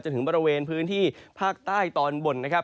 ถึงบริเวณพื้นที่ภาคใต้ตอนบนนะครับ